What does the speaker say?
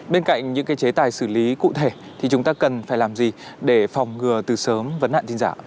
bên cạnh những cái chế tài xử lý cụ thể thì chúng ta cần phải làm gì để phòng ngừa từ sớm vấn nạn tin giả